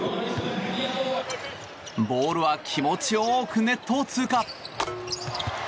ボールは気持ちよくネットを通過。